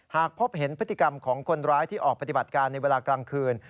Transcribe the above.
หากพบเห็นพฤติกรรมของคนร้ายที่ออกปฏิบัติการในเวลากลางคืน